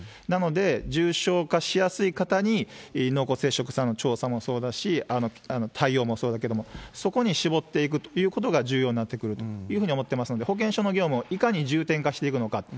なので、重症化しやすい方に、濃厚接触者の調査もそうだし、対応もそうだけれども、そこに絞っていくということが重要になってくるというふうに思ってますんで、保健所の業務をいかに重点化していくのか。